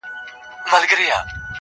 د كار نه دى نور ټوله شاعري ورځيني پاته.